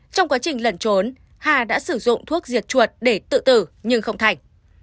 trong quá trình lẩn trốn hà đã sử dụng thuốc diệt chuột để tự tử nhưng không thành